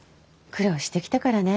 苦労してきたからね。